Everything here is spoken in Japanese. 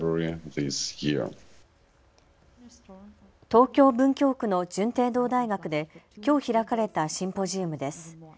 東京文京区の順天堂大学できょう開かれたシンポジウムです。